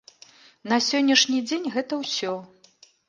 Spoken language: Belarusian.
На сённяшні дзень гэта ўсё.